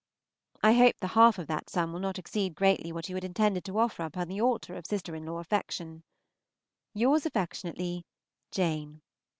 I hope the half of that sum will not greatly exceed what you had intended to offer upon the altar of sister in law affection. Yours affectionately, JANE.